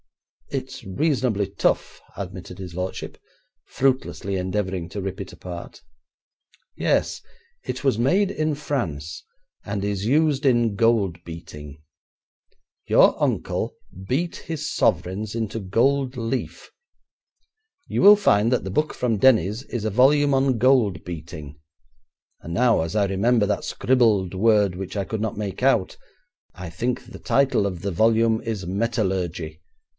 'It's reasonably tough,' admitted his lordship, fruitlessly endeavouring to rip it apart. 'Yes. It was made in France, and is used in gold beating. Your uncle beat his sovereigns into gold leaf. You will find that the book from Denny's is a volume on gold beating, and now as I remember that scribbled word which I could not make out, I think the title of the volume is "Metallurgy".